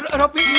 aduh aku dicuekin